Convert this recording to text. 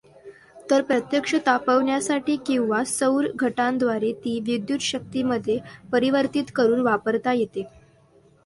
तर प्रत्यक्ष तापवण्यासाठी किंवा सौरघटांद्वारे ती विद्युतशक्तीमध्ये परिवर्तीत करून वापरता येते.